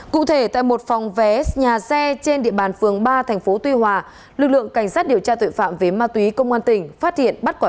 cụ thể tại một phòng vé nhà xe trên địa bàn phường ba tp tuy hòa lực lượng cảnh sát điều tra tội phạm về ma túy công an tỉnh phát hiện